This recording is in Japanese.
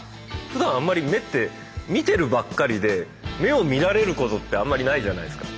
ふだんあんまり目って見てるばっかりで目を見られることってあんまりないじゃないですか。